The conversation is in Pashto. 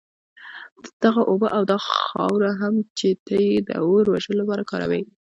دغه اوبه او دا خاوره هم چي ته ئې د اور وژلو لپاره كاروې